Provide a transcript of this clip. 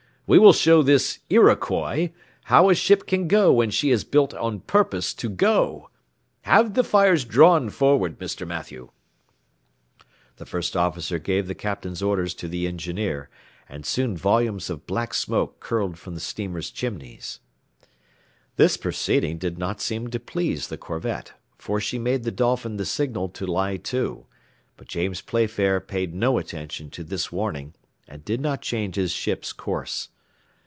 We will show this Iroquois how a ship can go when she is built on purpose to go. Have the fires drawn forward, Mr. Mathew." The first officer gave the Captain's orders to the engineer, and soon volumes of black smoke curled from the steamer's chimneys. This proceeding did not seem to please the corvette, for she made the Dolphin the signal to lie to, but James Playfair paid no attention to this warning, and did not change his ship's course.